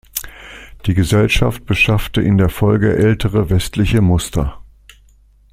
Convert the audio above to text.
Die Gesellschaft beschaffte in der Folge ältere westliche Muster.